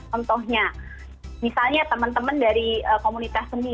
contohnya misalnya teman teman dari komunitas seni